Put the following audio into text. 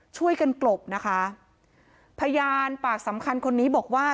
ช่วยกันกลบนะคะพยานปากสำคัญคนนี้บอกว่า